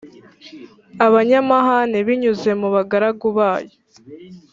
abanyamahane binyuze mu bagaragu bayo